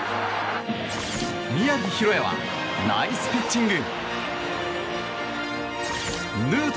宮城大弥はナイスピッチング。